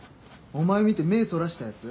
お前見て目そらしたやつ？